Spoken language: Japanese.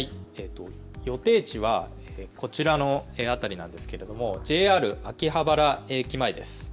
予定地はこちらの辺りなんですけれどもＪＲ秋葉原駅前です。